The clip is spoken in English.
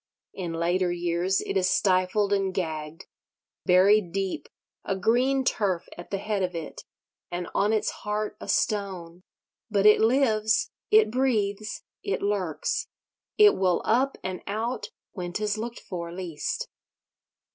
In later years it is stifled and gagged—buried deep, a green turf at the head of it, and on its heart a stone; but it lives, it breathes, it lurks, it will up and out when 'tis looked for least.